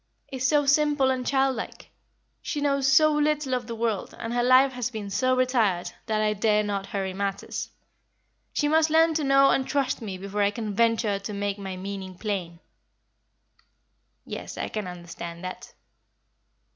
"is so simple and childlike; she knows so little of the world, and her life has been so retired, that I dare not hurry matters. She must learn to know and trust me before I can venture to make my meaning plain." "Yes, I can understand that."